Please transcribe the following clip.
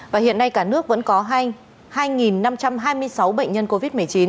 và hiện nay cả nước vẫn có hai năm trăm hai mươi sáu bệnh nhân covid một mươi chín